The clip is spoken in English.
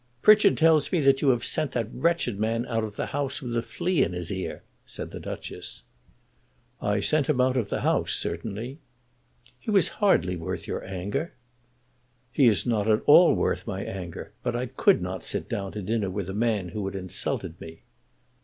"Pritchard tells me that you have sent that wretched man out of the house with a flea in his ear," said the Duchess. "I sent him out of the house, certainly." "He was hardly worth your anger." "He is not at all worth my anger; but I could not sit down to dinner with a man who had insulted me."